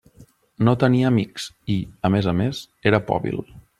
No tenia amics i, a més a més, era pobil.